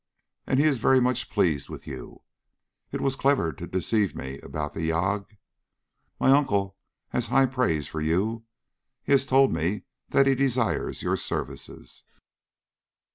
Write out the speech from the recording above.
And he is very much pleased with you. It was clever to deceive me about the yagué. My uncle has high praise for you. He has told me that he desires your services."